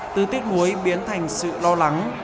từ tiếc nuối biến thành sự lo lắng